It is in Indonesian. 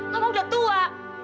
mama udah tua